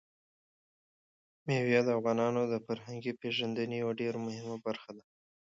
مېوې د افغانانو د فرهنګي پیژندنې یوه ډېره مهمه برخه ده.